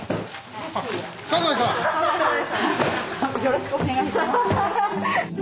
よろしくお願いします。